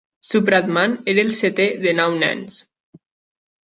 Supratman era el setè de nou nens.